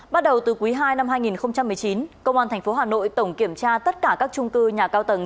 bắt đầu từ quý ii năm hai nghìn một mươi chín công an tp hà nội tổng kiểm tra tất cả các trung cư nhà cao tầng